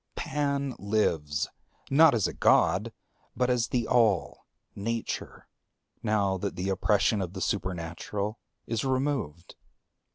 Pan lives, not as a God, but as the All, Nature, now that the oppression of the Supernatural is removed.